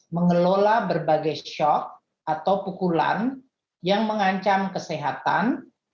mengelola berbagai shock atau pukulan yang mengancam kesehatan